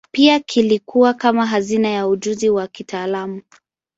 Pia kilikuwa kama hazina ya ujuzi wa kitaalamu.